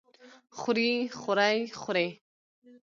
خوري خورۍ خورې؟